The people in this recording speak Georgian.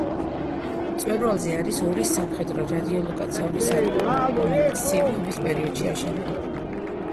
მწვერვალზე არის ორი სამხედრო რადიოლოკაციური სადგური, რომელიც ცივი ომის პერიოდში აშენდა.